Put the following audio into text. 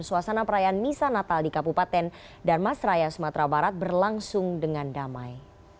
suasana perayaan nisa natal di kapupaten dan mas raya sumatera barat berlangsung dengan damai